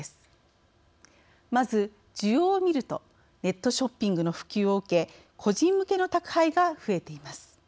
まず需要をみるとネットショッピングの普及を受け個人向けの宅配が増えています。